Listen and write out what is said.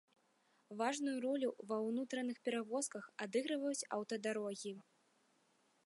Важную ролю ва ўнутраных перавозках адыгрываюць аўтадарогі.